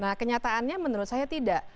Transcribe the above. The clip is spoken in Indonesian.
nah kenyataannya menurut saya tidak